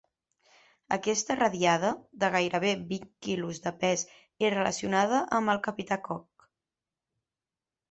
Aquesta radiada, de gairebé vint quilos de pes i relacionada amb el capità Cook.